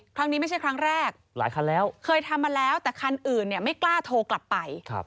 ครั้งนี้ไม่ใช่ครั้งแรกหลายคันแล้วเคยทำมาแล้วแต่คันอื่นเนี่ยไม่กล้าโทรกลับไป